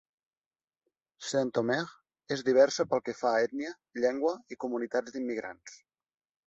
Saint-Omer és diversa pel que fa a ètnia, llengua i comunitats d'immigrants.